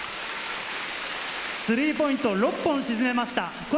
スリーポイント、６本沈めました。